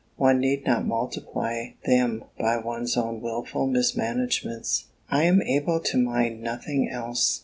One need not multiply them by one's own wilful mismanagements! I am able to mind nothing else!